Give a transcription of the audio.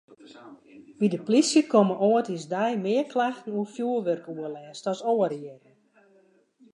By de polysje komme âldjiersdei mear klachten oer fjoerwurkoerlêst as oare jierren.